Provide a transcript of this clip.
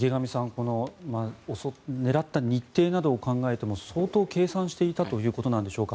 この狙った日程などを考えても相当計算していたということでしょうか？